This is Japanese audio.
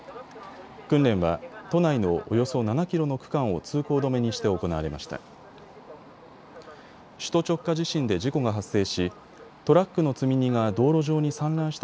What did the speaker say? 訓練は、都内のおよそ７キロの区間を通行止めにして行われました。